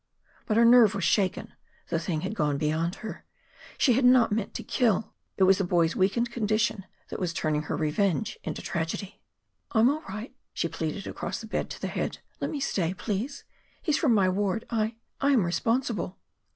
But her nerve was shaken. The thing had gone beyond her. She had not meant to kill. It was the boy's weakened condition that was turning her revenge into tragedy. "I am all right," she pleaded across the bed to the Head. "Let me stay, please. He's from my ward. I I am responsible."